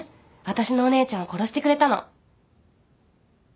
私のお姉ちゃんを殺してくれたの。